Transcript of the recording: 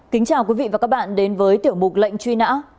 kính chào quý vị và các bạn đến với tiểu mục lệnh truy nã